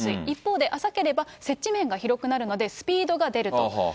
一方で浅ければ、接地面が広くなるので、スピードが出ると。